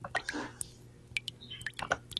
El proyecto arquitectónico se encargó a Ledoux.